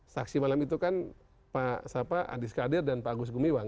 saksi malam itu kan pak adi skadir dan pak agus gumiwang